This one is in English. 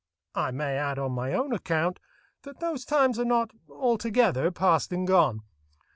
I may add on my own account that those times are not altogether past and gone.